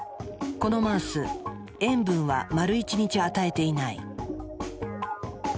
このマウス塩分は丸１日与えていない。